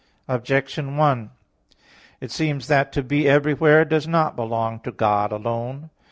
Objection 1: It seems that to be everywhere does not belong to God alone.